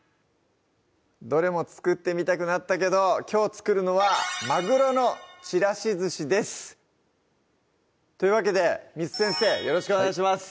どれも作ってみたくなったけどきょう作るのは「まぐろのちらしずし」ですというわけで簾先生よろしくお願いします